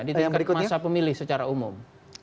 di tingkat masa pemilih secara umum